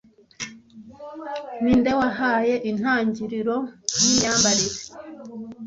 Ninde wahaye intangiriro yimyambarire